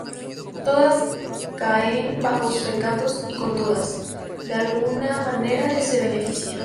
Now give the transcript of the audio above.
Todas caen bajo sus encantos y con todas, de alguna manera, se beneficia.